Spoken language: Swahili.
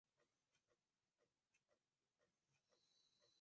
walichapisha picha zao ili kupata wanaume wao